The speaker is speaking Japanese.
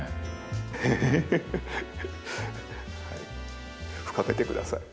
ヘヘヘはい深めて下さい。